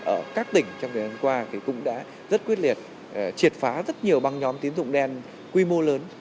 ở các tỉnh trong thời gian qua thì cũng đã rất quyết liệt triệt phá rất nhiều băng nhóm tín dụng đen quy mô lớn